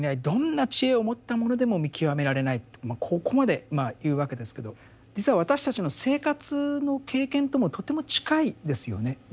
どんな知恵を持った者でも見極められない」とここまでまあ言うわけですけど実は私たちの生活の経験ともとても近いですよね。